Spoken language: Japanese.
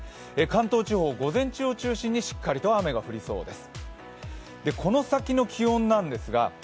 関東地方、午前中を中心にしっかりと雨が降りそうです。